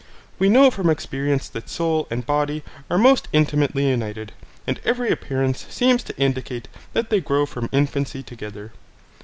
We know from experience that soul and body are most intimately united, and every appearance seems to indicate that they grow from infancy together.